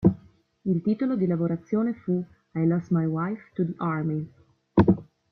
Il titolo di lavorazione fu "I Lost My Wife to the Army".